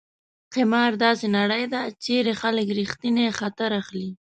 قمار: داسې نړۍ ده چېرې خلک ریښتینی خطر اخلي.